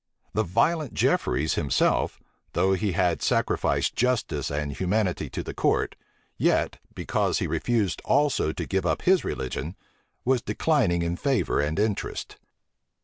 The violent Jefferies himself, though he had sacrificed justice and humanity to the court, yet, because he refused also to give up his religion, was declining in favor and interest.